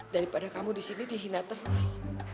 daripada kamu di sini dihina terus